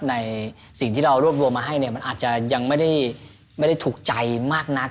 ในสิ่งที่เรารวบรวมมาให้เนี่ยมันอาจจะยังไม่ได้ถูกใจมากนัก